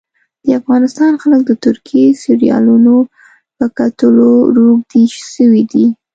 د افغانستان خلک د ترکي سیریالونو په کتلو روږدي سوي دي